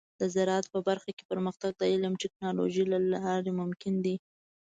د زراعت په برخه کې پرمختګ د علم او ټیکنالوجۍ له لارې ممکن دی.